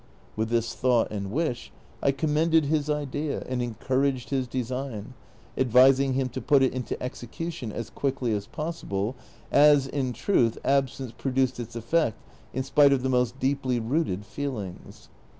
With this thought :wid wish I commended his idea and encouraged his design, advising him to put it into execution as quickly as possible, as, in truth, absence produced its effect in spite of the most deeply rooted feelings.